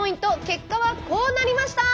結果はこうなりました！